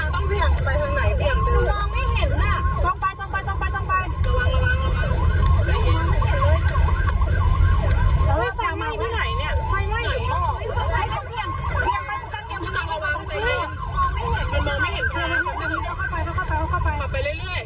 เขามองไม่เห็นกัน